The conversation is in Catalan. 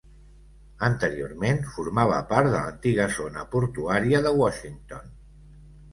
Anteriorment, formava part de l'antiga zona portuària de Washington.